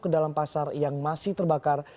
ke dalam pasar yang masih terbakar